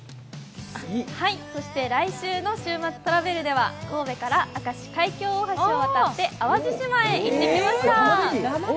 来週の週末トラベルでは、神戸から明石海峡大橋を渡って淡路島へ行ってきました。